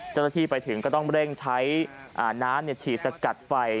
เจ้าหน้าที่ไปถึงก็ต้องเร่งใช้น้ำฉีดสกัดไฟ